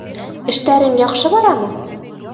Эштәрең яҡшы барамы?